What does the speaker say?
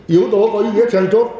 yếu tố có ý nghĩa chăn chốt